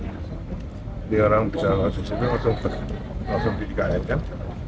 jadi orang bisa langsung masuk ke ikn